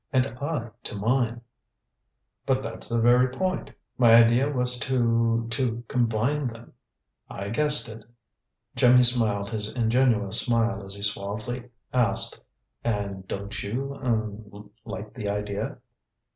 And I to mine." "But that's the very point. My idea was to to combine them." "I guessed it." Jimmy smiled his ingenuous smile as he suavely asked, "And don't you er like the idea?"